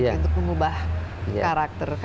untuk mengubah karakter